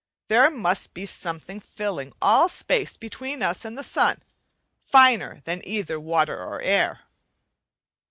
There must then be something filling all space between us and the sun, finer than either water or air.